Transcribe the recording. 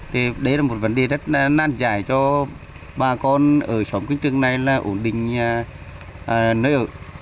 thì đấy là một vấn đề rất năn giải cho bà con ở xóm quý trường này là ổn định nơi ở